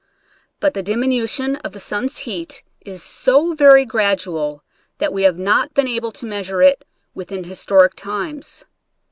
But the diminution of the sun's heat is so very gradual that we have not been able to measure it within historic times.